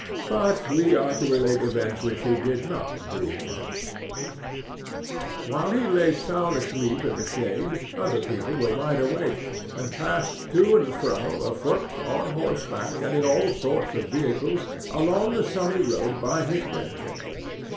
But we are to relate events which he did not dream of. While he lay sound asleep in the shade other people were wide awake, and passed to and fro, afoot, on horseback and in all sorts of vehicles, along the sunny road by his bedchamber.